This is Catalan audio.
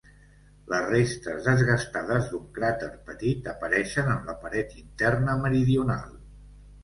Les restes desgastades d'un cràter petit apareixen en la paret interna meridional.